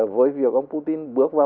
với việc ông putin bước vào